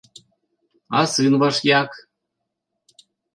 А сын ваш як?